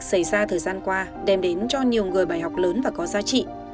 tất cả việc xảy ra thời gian qua đem đến cho nhiều người bài học lớn và có giá trị